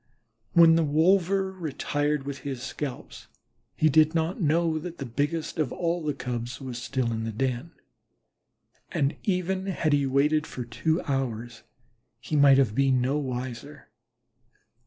When the wolver retired with his scalps he did not know that the biggest of all the Cubs, was still in the den, and even had he waited about for two hours, he might have been no wiser.